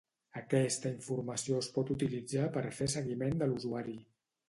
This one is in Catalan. Aquesta informació es pot utilitzar per fer seguiment de l'usuari.